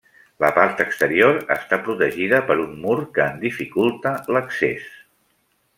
La part exterior està protegida per un mur que en dificulta l'accés.